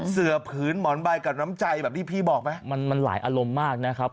เสือผืนหมอนใบกับน้ำใจแบบที่พี่บอกไหมมันหลายอารมณ์มากนะครับ